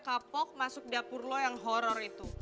kapok masuk dapur lo yang horror itu